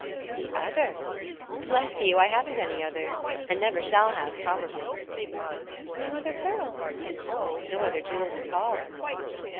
"The others? Bless you! I haven't any others and never shall have, probably." "No other pearls?" "No other jewels at all."